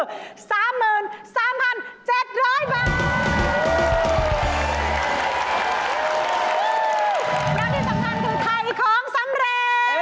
แล้วที่สำคัญคือไทยของสำเร็จ